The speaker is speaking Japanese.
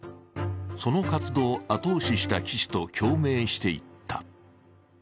その活動を後押しした岸と共鳴していった。